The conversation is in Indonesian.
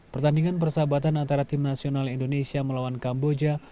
pertandingan persahabatan antara tim nasional indonesia melawan kamboja